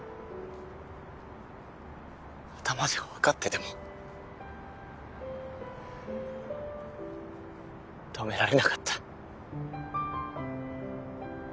頭ではわかってても止められなかった。